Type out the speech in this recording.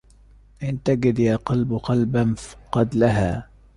إن تجد يا قلب قلباً قد لها